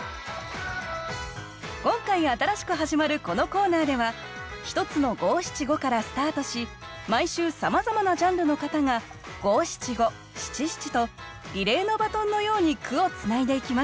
今回新しく始まるこのコーナーでは１つの５７５からスタートし毎週さまざまなジャンルの方が５７５７７とリレーのバトンのように句をつないでいきます。